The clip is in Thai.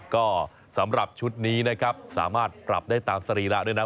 ก็สำหรับชุดนี้นะครับสามารถปรับได้ตามสรีระด้วยนะ